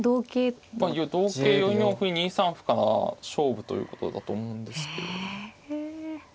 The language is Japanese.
同桂４四歩２三歩から勝負ということだと思うんですけど。